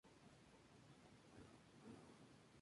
Bienal Hispanoamericana de Arte en Barcelona.